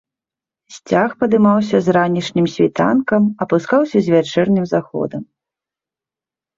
Сцяг падымаўся з ранішнім світанкам, апускаўся з вячэрнім заходам.